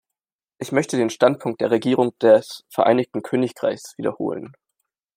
Ich möchte den Standpunkt der Regierung des Vereinigten Königreichs wiederholen.